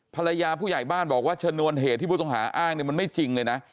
ผู้ใหญ่บ้านบอกว่าชนวนเหตุที่ผู้ต้องหาอ้างเนี่ยมันไม่จริงเลยนะ